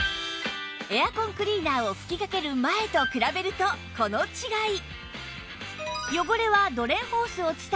エアコンクリーナーを吹きかける前と比べるとこの違い！